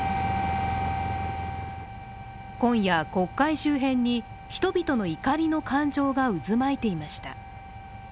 今夜、国会周辺に人々の怒りの感情が渦巻いていました。